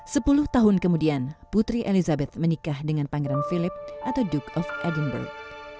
sepuluh tahun kemudian putri elizabeth menikah dengan pangeran philip atau duke of edinburgh